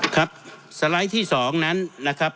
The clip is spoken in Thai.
ครับสไลด์ที่๒นั้นนะครับ